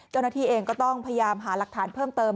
เจ้าหน้าที่เองก็ต้องพยายามหาหลักฐานเพิ่มเติม